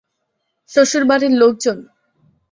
শ্বশুর বাড়ির লোকজন?